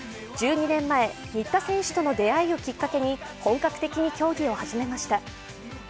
１２年前、新田選手との出会いをきっかけに本格的に競技を始めました。